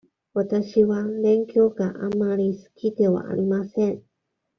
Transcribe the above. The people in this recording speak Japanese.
わたしは勉強があまり好きではありません。